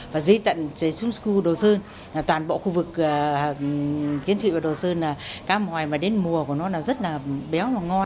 và dưới tận trái súng khu đồ sơn toàn bộ khu vực kiến thụy và đồ sơn là cá mòi mà đến mùa của nó là rất là béo và ngon